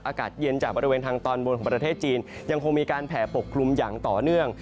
อากาศเย็นจากบริเวณทางตอนบนของประเทศจีนยังคงมีการแผ่ปกคลุมอย่างต่อเนื่อง